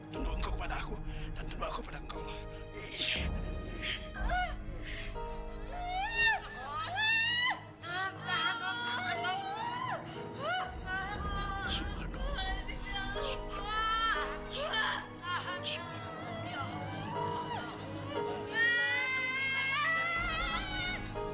tunduk kepada aku dan tunduk kepada engkau